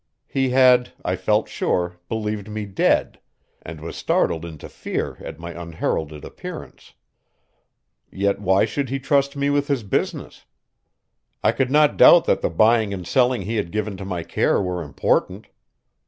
He had, I felt sure, believed me dead, and was startled into fear at my unheralded appearance. Yet why should he trust me with his business? I could not doubt that the buying and selling he had given to my care were important.